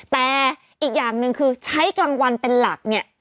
แต่อีกอย่างหนึ่งคือใช้กลางวันเป็นหลักเนี่ย